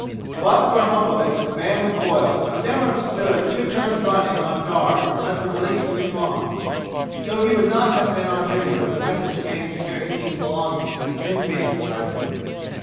But for hope of it the man with boils would never have stood two turns on guard hand running and let the relief sleep on; so he would not have been on duty when the message came to carry King's belongings to his new cave of residence.